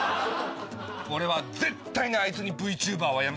俺は絶対にあいつにＶＴｕｂｅｒはやめさせない！